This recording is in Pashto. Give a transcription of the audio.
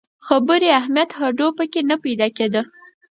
خبري اهمیت هډو په کې نه پیدا کېده.